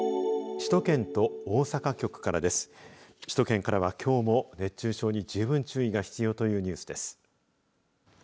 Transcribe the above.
首都圏からは、きょうも熱中症に十分注意が必要というニュースです。